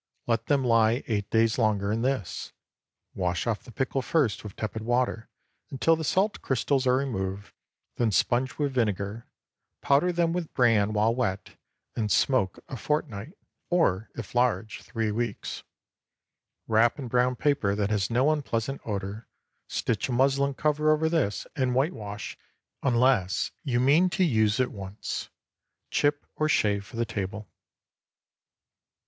Let them lie eight days longer in this. Wash off the pickle first with tepid water, until the salt crystals are removed; then sponge with vinegar, powder them with bran while wet, and smoke a fortnight, or, if large, three weeks. Wrap in brown paper that has no unpleasant odor, stitch a muslin cover over this, and whitewash, unless you mean to use at once. Chip or shave for the table.